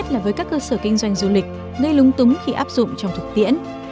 doanh doanh du lịch gây lúng túng khi áp dụng trong thực tiễn